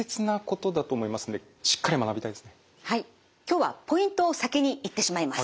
今日はポイントを先に言ってしまいます。